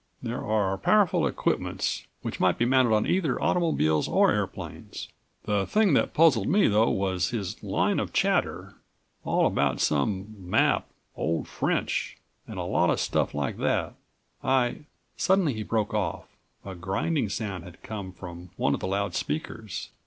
There are powerful equipments which might be mounted on either automobiles or airplanes." "The thing that puzzled me, though, was his26 line of chatter. All about some 'map, old French,' and a lot of stuff like that. I—" Suddenly he broke off. A grinding sound had come from one of the loud speakers.